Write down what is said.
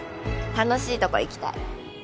楽しいとこ行きたい。